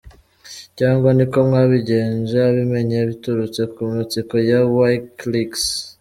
Cyangwa niko mwabigenje abimenye biturutse ku matsiko ya WikiLeaks.